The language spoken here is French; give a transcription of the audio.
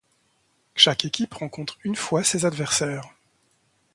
Chaque équipe rencontre une fois ses adversaires.